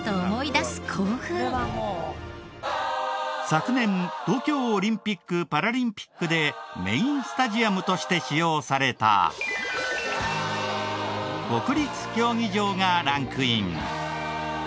昨年東京オリンピック・パラリンピックでメインスタジアムとして使用された国立競技場がランクイン。